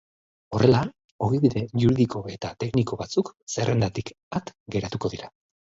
Horrela, ogibide juridiko eta tekniko batzuk zerrendatik at geratuko dira.